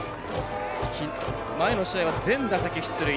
前の試合は全打席出塁。